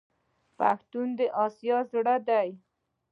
پښتون د اسیا زړه دی.